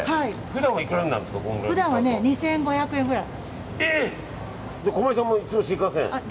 普段は２５００円くらい。